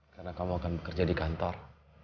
karena kamu akan bekerja di kantor